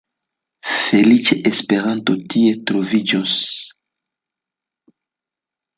Feliĉe Esperanto tie troviĝos.